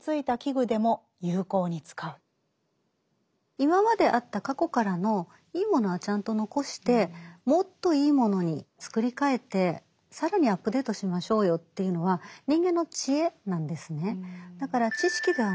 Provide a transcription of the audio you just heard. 今まであった過去からのいいものはちゃんと残してもっといいものに作り替えて更にアップデートしましょうよというのは人間の知恵なんですね。